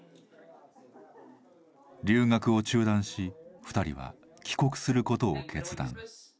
留学を中断し２人は帰国することを決断。